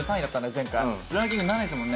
前回ランキング７位ですもんね